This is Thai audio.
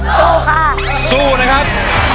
สู้ค่ะสู้นะครับ